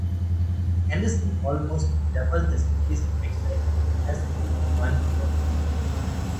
Anderson almost doubled the city's recycling capacity in one year.